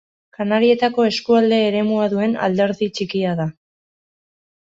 Kanarietako eskualde eremua duen alderdi txikia da.